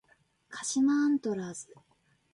鹿島アントラーズ